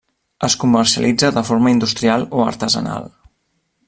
Es comercialitza de forma industrial o artesanal.